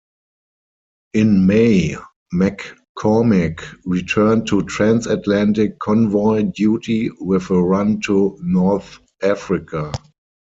In May, "McCormick" returned to transatlantic convoy duty with a run to North Africa.